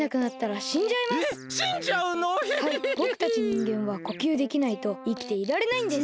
ぼくたちにんげんはこきゅうできないといきていられないんです。